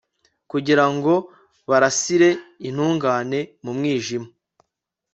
kugira ngo barasire intungane mu mwijima